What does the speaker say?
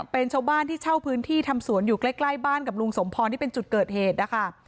เป็นชาวบ้านที่เช่าพื้นที่ทำสวนอยู่ใกล้บ้านกับลุงสมพรที่เป็นจุดเกิดเหตุนะคะ